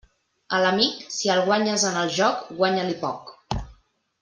A l'amic, si el guanyes en el joc, guanya-li poc.